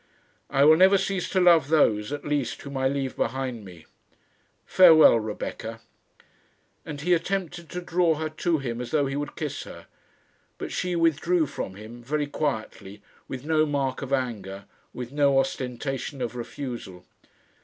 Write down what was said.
"I will never cease to love those, at least, whom I leave behind me. Farewell, Rebecca;" and he attempted to draw her to him as though he would kiss her. But she withdrew from him, very quietly, with no mark of anger, with no ostentation of refusal.